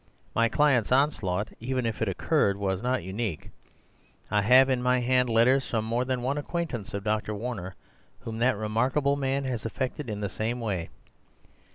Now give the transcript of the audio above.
My client's onslaught, even if it occurred, was not unique. I have in my hand letters from more than one acquaintance of Dr. Warner whom that remarkable man has affected in the same way.